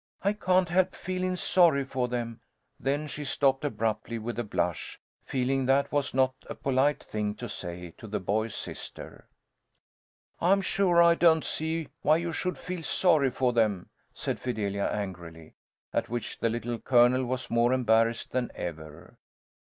"I can't help feelin' sorry for them." Then she stopped abruptly, with a blush, feeling that was not a polite thing to say to the boys' sister. "I'm sure I don't see why you should feel sorry for them," said Fidelia, angrily. At which the Little Colonel was more embarrassed than ever.